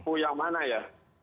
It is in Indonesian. perpu yang mana ya